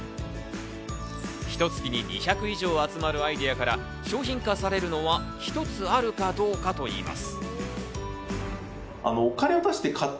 ひと月に２００以上集まるアイデアから商品化されるのは一つあるかどうかといいます。